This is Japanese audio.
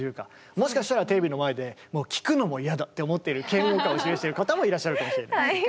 もしかしたらテレビの前でもう聴くのも嫌だって思っている嫌悪感を示している方もいらっしゃるかもしれない。